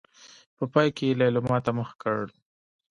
په پای کې يې ليلما ته مخ کړ.